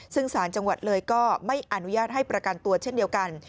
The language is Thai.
ซึ่งสารจังหวัดเลยก็ไม่อนุญาตให้ประกันตัวเช่นเดียวกัน